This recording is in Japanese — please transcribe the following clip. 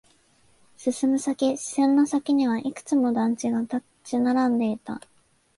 進む先、視線の先にはいくつも団地が立ち並んでいた。